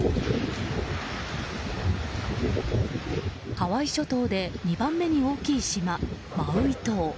ハワイ諸島で２番目に大きい島マウイ島。